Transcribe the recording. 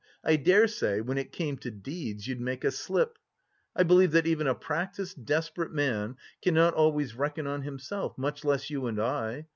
I dare say when it came to deeds you'd make a slip. I believe that even a practised, desperate man cannot always reckon on himself, much less you and I.